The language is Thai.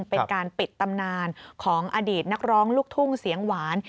เป็นการปิดตำนานของอดีตนักร้องลูกทุ่งเสียงหวาน